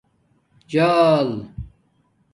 جݳل